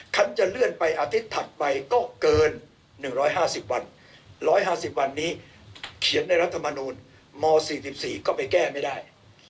ฉันจะเลื่อนไปอาทิตย์ถัดไปก็เกิน๑๕๐วัน๑๕๐วันนี้เขียนในรัฐมนูลม๔๔ก็ไปแก้ไม่ได้